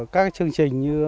các chương trình như